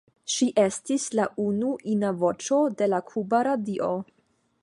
Ŝi estis la unu ina voĉo de la kuba radio.